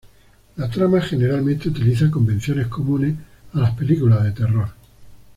La trama generalmente utiliza convenciones comunes a las películas de terror.